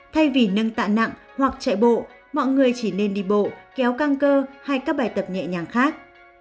thay vì nâng tạ nặng hoặc chạy bộ mọi người chỉ nên đi bộ kéo căng cơ hay các bài tập nhẹ nhàng khác